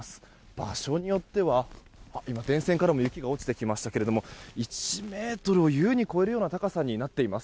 場所によっては電線からも雪が落ちてきましたが１ｍを優に超えるような高さになっています。